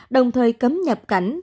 đồng thời cấm nhập cảnh